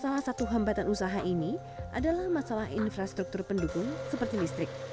salah satu hambatan usaha ini adalah masalah infrastruktur pendukung seperti listrik